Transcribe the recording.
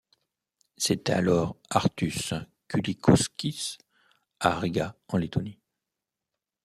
C'est alors Arturs Kulikauskis à Riga en Lettonie.